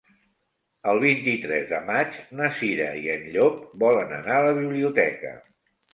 El vint-i-tres de maig na Cira i en Llop volen anar a la biblioteca.